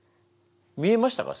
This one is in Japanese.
見えましたか？